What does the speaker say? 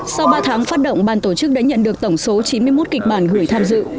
sau ba tháng phát động ban tổ chức đã nhận được tổng số chín mươi một kịch bản gửi tham dự